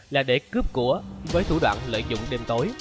là để cướp của với thủ đoạn lợi dụng đêm tối